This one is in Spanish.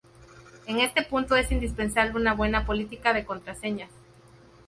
En este punto es indispensable una buena política de contraseñas.